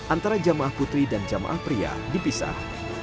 antara jemaah putri dan jemaah pria dipisah